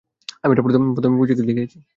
আমি এটা প্রথমে পূজাকে দেখিয়েছি।